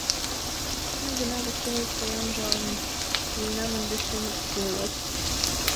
Мый гына воктенет коям жалын — Лийынам ынде шем ӱмылет.